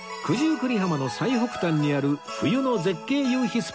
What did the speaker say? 九十九里浜の最北端にある冬の絶景夕日